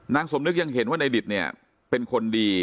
สมนึกยังเห็นว่าในดิตเนี่ยเป็นคนดี